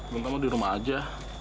gak mau di rumah aja